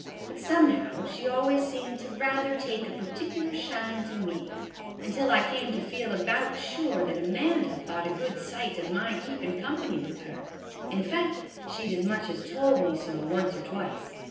But somehow she always seemed to rather take a particular shine to me, until I came to feel about sure that Amanda thought a good sight of my keepin' company with her ; in fact, she 'd as much as told me so once or twice.